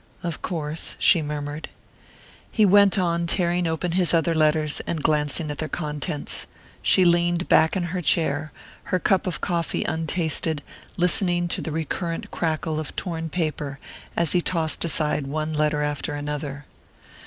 "Of course " she murmured. He went on tearing open his other letters, and glancing at their contents. She leaned back in her chair, her cup of coffee untasted, listening to the recurrent crackle of torn paper as he tossed aside one letter after another.